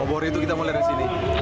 obor itu kita melihat disini